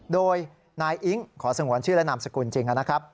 โดยนายอิ๊งขอสงวนชื่อและนามสกุลจริงนะครับ